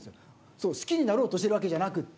好きになろうとしてるわけじゃなくって。